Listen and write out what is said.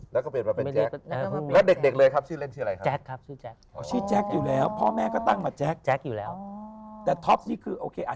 แล้วก็เปลี่ยนมาเป็นแจ็คแล้วเด็กเลยครับชื่อเล่นชื่ออะไรครับ